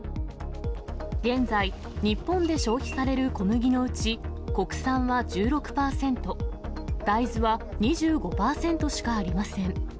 現在、日本で消費される小麦のうち、国産は１６％、大豆は２５％しかありません。